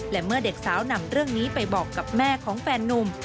และเมื่อเด็กสาวนำเรื่องนี้ไปบอกกับแม่ของแฟนนุ่ม